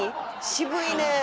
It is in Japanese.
渋いねえ。